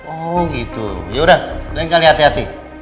oh gitu yaudah lain kali hati hati